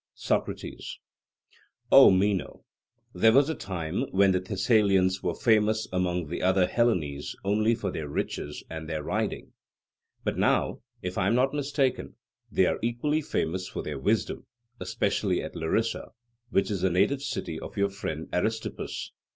SOCRATES: O Meno, there was a time when the Thessalians were famous among the other Hellenes only for their riches and their riding; but now, if I am not mistaken, they are equally famous for their wisdom, especially at Larisa, which is the native city of your friend Aristippus.